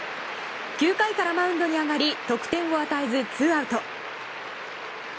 ９回からマウンドに上がり得点を与えず２アウト。